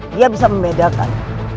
dia bisa membedakan